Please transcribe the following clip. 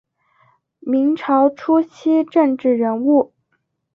明朝初期政治人物。